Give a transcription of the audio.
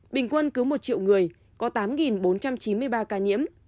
bình quân cứ một triệu người có tám bốn trăm chín mươi ba ca nhiễm